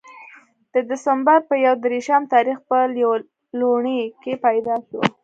د دسمبر پۀ يو ديرشم تاريخ پۀ ليلوڼۍ کښې پېداشو